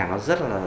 nó rất là